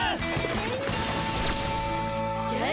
じゃあな！